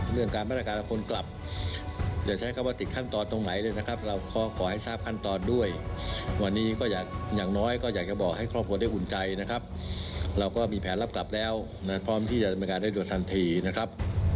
วันนี้ก็อยากอย่างน้อยก็อยากจะบอกให้ครอบครัวได้อุ่นใจนะครับเราก็มีแผนรับกลับแล้วในพร้อมที่จะเป็นการได้โดยทันทีนะครับ